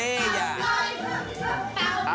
เออมันน่าจะ